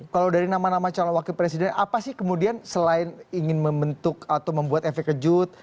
kalau dari nama nama calon wakil presiden apa sih kemudian selain ingin membentuk atau membuat efek kejut